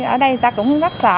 ở đây người ta cũng rất sợ